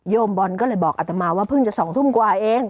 บอลก็เลยบอกอัตมาว่าเพิ่งจะ๒ทุ่มกว่าเอง